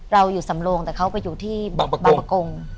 เราอยู่สำโลงแต่เขาไปอยู่ที่บางประกง